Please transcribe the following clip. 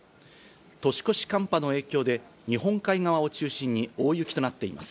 年越し寒波の影響で日本海側を中心に大雪となっています。